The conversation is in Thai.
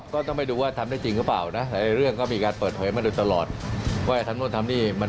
ก็ต้องไปสนุนผู้ออกการเขารับไหวไหม